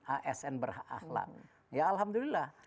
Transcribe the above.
asn berakhlat ya alhamdulillah